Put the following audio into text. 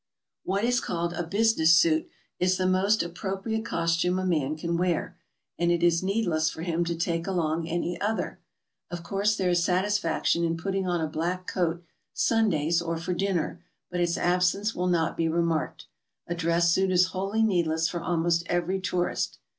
What is called a business suit is the most appropriate costume a man can wear, and it is needless for him to take along any other. Of course, there is satisfaction in putting on a black coat Sundays or for dinner, but its absence will not be remarked. A dress suit is wholly needless for almost every tourist.